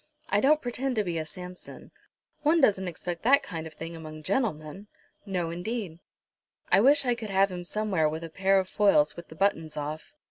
I don't pretend to be a Samson. One doesn't expect that kind of thing among gentlemen?" "No, indeed." "I wish I could have him somewhere with a pair of foils with the buttons off.